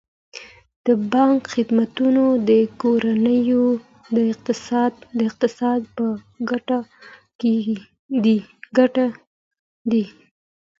د بانک خدمتونه د کورنیو د اقتصاد په ګټه دي.